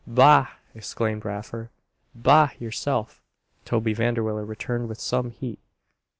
"Bah!" exclaimed Raffer. "Bah, yourself!" Toby Vanderwiller returned with some heat.